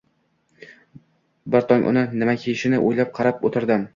Bir tong uni nima kiyishini o‘ylab, qarab o‘tirdim